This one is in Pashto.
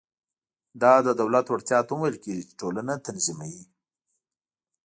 دا د دولت وړتیا ته هم ویل کېږي چې ټولنه تنظیموي.